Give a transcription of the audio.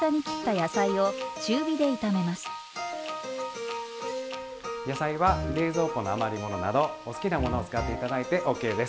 野菜は冷蔵庫の余り物などお好きなものを使って頂いてＯＫです。